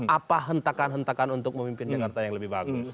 apa hentakan hentakan untuk memimpin jakarta yang lebih bagus